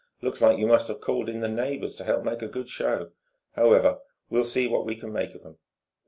Looks like you must've called in the neighbours to help make a good show. However, we'll see what we can make of 'em."